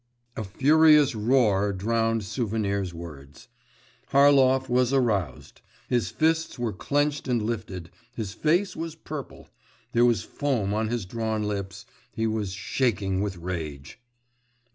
A furious roar drowned Souvenir's words.… Harlov was aroused. His fists were clenched and lifted, his face was purple, there was foam on his drawn lips, he was shaking with rage.